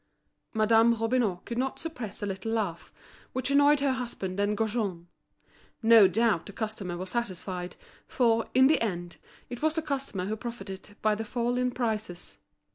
Madame Robineau could not suppress a little laugh, which annoyed her husband and Gaujean. No doubt the customer was satisfied, for, in the end, it was the customer who profited by the fall in prices.